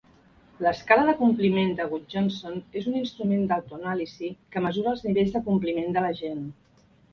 L'escala de compliment de Gudjonsson és un instrument d'autoanàlisi que mesura els nivells de compliment de la gent.